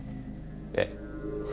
ええ。